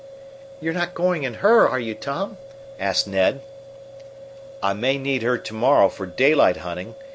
"You're not going in her, are you, Tom?" asked Ned. "I may need her to morrow for daylight hunting.